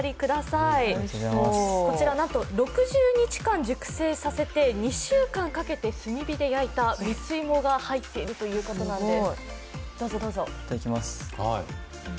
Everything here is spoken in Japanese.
こちらなんと、６０日間熟成させて２週間かけて炭火で焼いた蜜芋が入っているということなんです。